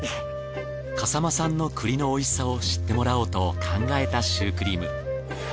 笠間産の栗のおいしさを知ってもらおうと考えたシュークリーム。